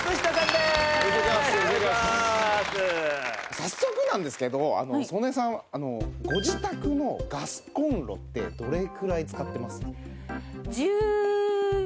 早速なんですけれども曽根さんご自宅のガスコンロってどれくらい使ってます？